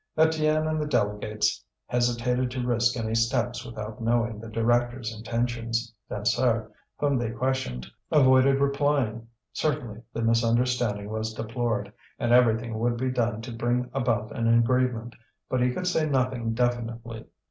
Étienne and the delegates hesitated to risk any steps without knowing the directors' intentions. Dansaert, whom they questioned, avoided replying: certainly, the misunderstanding was deplored, and everything would be done to bring about an agreement; but he could say nothing definitely.